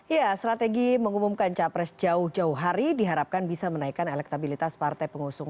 ya strategi mengumumkan capres jauh jauh hari diharapkan bisa menaikkan elektabilitas partai pengusung